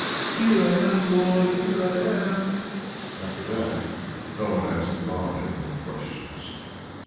Here I am, Lord, here I am!" After that no one asked Ivan any more questions.